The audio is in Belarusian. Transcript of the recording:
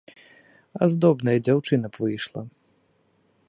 Аздобная дзяўчына б выйшла.